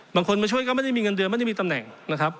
มาช่วยก็ไม่ได้มีเงินเดือนไม่ได้มีตำแหน่งนะครับ